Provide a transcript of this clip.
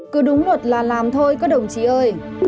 cứ đúng luật là làm thôi có đồng chí ơi